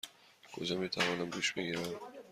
کجا می توانم دوش بگیرم؟